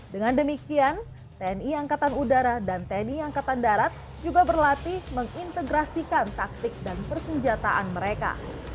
dengan demikian tni angkatan udara dan tni angkatan darat juga berlatih mengintegrasikan taktik dan persenjataan mereka